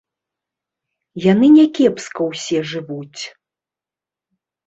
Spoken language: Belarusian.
Яны някепска ўсе жывуць.